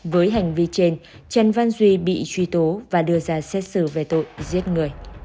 với hành vi trên trần văn duy bị truy tố và đưa ra xét xử về tội giết người